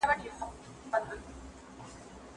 سياستوال په خپلو پرېکړو کي تل خپلواک نه وي.